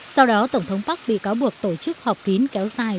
sau đó tổng thống park bị cáo buộc tổ chức họp kín kéo dài